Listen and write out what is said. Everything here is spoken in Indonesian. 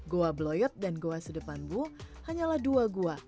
goa beloyot dan goa sedepan bu hanyalah dua gua